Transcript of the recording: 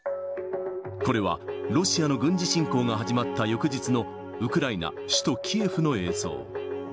これは、ロシアの軍事侵攻が始まった翌日のウクライナ首都キエフの映像。